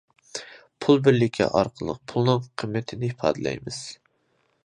پۇل بىرلىكى ئارقىلىق پۇلنىڭ قىممىتىنى ئىپادىلەيمىز.